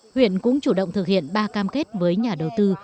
huyện cũng chủ động thực hiện ba cam kết với nhà đầu tư